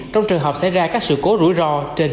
trong trường hợp xảy ra các sự cố rủi ro trên hành trình